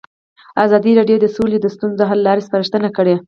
ازادي راډیو د سوله د ستونزو حل لارې سپارښتنې کړي.